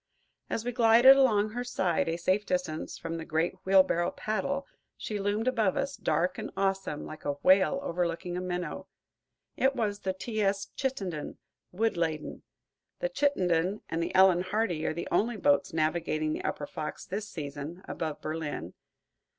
As we glided along her side, a safe distance from the great wheelbarrow paddle, she loomed above us, dark and awesome, like a whale overlooking a minnow. It was the "T. S. Chittenden," wood laden. The "Chittenden" and the "Ellen Hardy" are the only boats navigating the upper Fox this season, above Berlin.